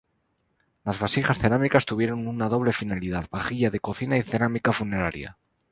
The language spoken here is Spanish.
Las vasijas cerámicas tuvieron una doble finalidad: vajilla de cocina y cerámica funeraria.